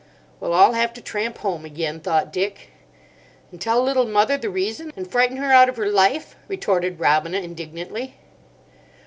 "We'll all have to tramp home again," thought Dick. "And tell Little Mother the reason, and frighten her out of her life!" retorted Robina indignantly.